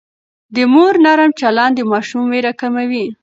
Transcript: د مور نرم چلند د ماشوم وېره کموي.